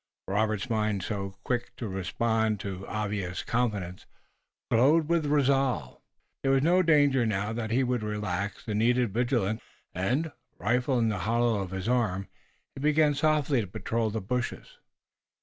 Robert's mind, so quick to respond to obvious confidence, glowed with resolve. There was no danger now that he would relax the needed vigilance a particle, and, rifle in the hollow of his arm, he began softly to patrol the bushes.